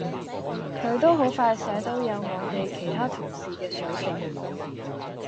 佢都好快寫到有我哋其他同事嘅水準